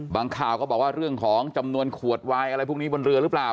ข่าวก็บอกว่าเรื่องของจำนวนขวดวายอะไรพวกนี้บนเรือหรือเปล่า